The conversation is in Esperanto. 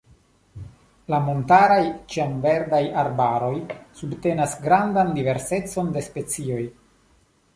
La montaraj ĉiamverdaj arbaroj subtenas grandan diversecon de specioj.